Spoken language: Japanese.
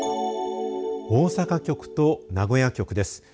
大阪局と名古屋局です。